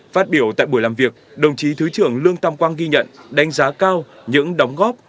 phát biểu tại buổi làm việc đồng chí thứ trưởng lương tam quang ghi nhận đánh giá cao những đóng góp